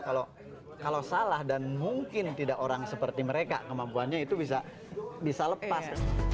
kalau salah dan mungkin tidak orang seperti mereka kemampuannya itu bisa lepas